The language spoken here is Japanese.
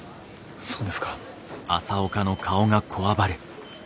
そうですか。